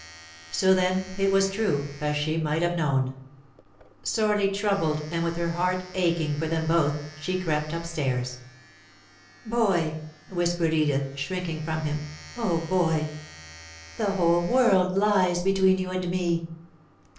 So, then, it was true, as she might have known. Sorely troubled, and with her heart aching for them both, she crept up stairs. "Boy," whispered Edith, shrinking from him. "Oh, Boy! The whole world lies between you and me!"